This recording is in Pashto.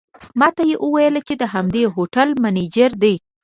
ماته یې وویل چې د همدې هوټل منیجر دی.